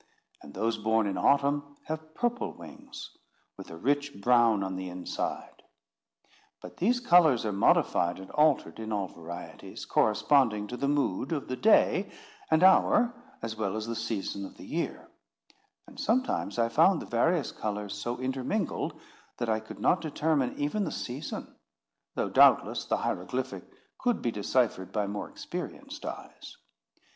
And those born in autumn have purple wings, with a rich brown on the inside. But these colours are modified and altered in all varieties, corresponding to the mood of the day and hour, as well as the season of the year; and sometimes I found the various colours so intermingled, that I could not determine even the season, though doubtless the hieroglyphic could be deciphered by more experienced eyes.